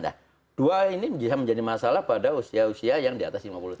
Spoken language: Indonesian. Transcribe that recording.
nah dua ini bisa menjadi masalah pada usia usia yang di atas lima puluh tahun